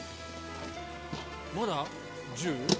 まだ１０？